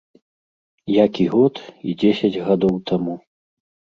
Як і год, і дзесяць гадоў таму.